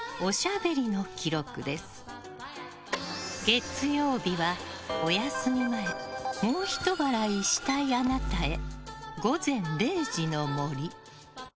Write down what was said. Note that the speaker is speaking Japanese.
月曜日は、お休み前もうひと笑いしたいあなたへ。